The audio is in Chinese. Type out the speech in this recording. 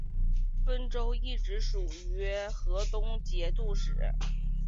汾州一直属于河东节度使。